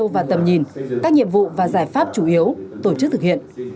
và tầm nhìn các nhiệm vụ và giải pháp chủ yếu tổ chức thực hiện